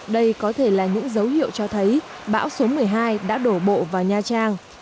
đây có thể là những dấu hiệu cho thấy bão số một mươi hai đã đổ bộ vào nha trang